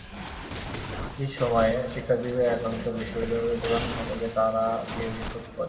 একই সময়ে শিক্ষার্থীদের একাংশ বিশ্ববিদ্যালয়ের প্রধান ফটকে তালা দিয়ে বিক্ষোভ করেন।